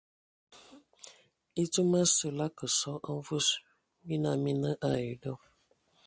E dzam asǝ lə ngasō a mvus, mina mii nə ai dɔ.